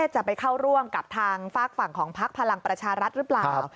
จะไปเข้าร่วมกับทางฝากฝั่งของพักพลังประชารัฐหรือเปล่า